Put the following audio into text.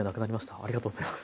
ありがとうございます。